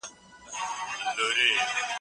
سلطان د پوځ پر وفادارۍ باور درلود.